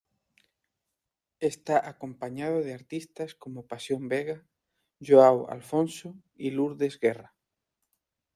Está acompañado de artistas como Pasión Vega, João Afonso y Lourdes Guerra.